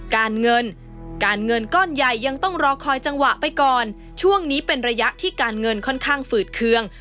การเงินการเงินก้อนใหญ่ยังต้องรอคอยจังหวะไปก่อนช่วงนี้เป็นระยะที่การเงินค่อนข้างฝืดเคือง